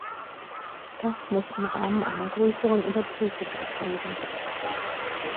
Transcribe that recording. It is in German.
Das muss im Rahmen einer größeren Überprüfung erfolgen.